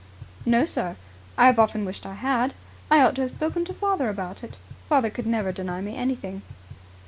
"No, sir. I have often wished I had. I ought to have spoken to father about it. Father could never deny me anything."